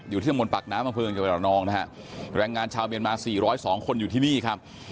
อยู่ที่ทำวนปักน้ำพืงจังหวัดละนองนะฮะแรงงานชาวเมียนมาสี่ร้อยสองคนอยู่ที่นี่ครับ